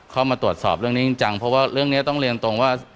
เข้ามาตรวจสอบเรื่องนี้จริงจังเพราะว่าเรื่องนี้ต้องเรียนตรงว่า